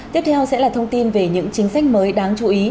tiếp theo sẽ là thông tin về những chính sách mới đáng chú ý